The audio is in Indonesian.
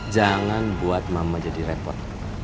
jangan buat mama jadi repot